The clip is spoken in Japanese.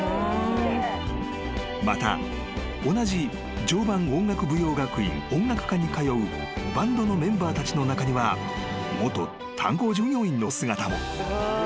［また同じ常磐音楽舞踊学院音楽科に通うバンドのメンバーたちの中には元炭鉱従業員の姿も］